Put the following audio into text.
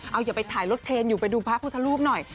เอาอย่าไปถ่ายรถเพลนอยู่ไปดูพระพุทธรูปหน่อย